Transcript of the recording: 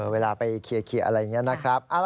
เวลาไปเคลียร์อะไรอย่างนี้นะครับ